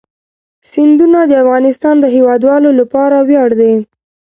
سیندونه د افغانستان د هیوادوالو لپاره ویاړ دی.